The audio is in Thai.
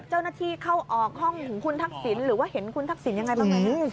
เจ้าหน้าที่เข้าออกห้องของคุณทักษิณหรือว่าเห็นคุณทักษิณยังไงบ้างไหม